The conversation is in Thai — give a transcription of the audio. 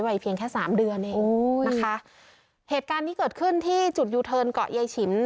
เพียงแค่สามเดือนเองโอ้นะคะเหตุการณ์ที่เกิดขึ้นที่จุดยูเทิร์นเกาะยายฉิม